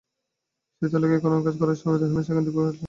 সেতু এলাকায় খননকাজ করার সময় রহিমা সেখান থেকে কাঠ সংগ্রহ করছিলেন।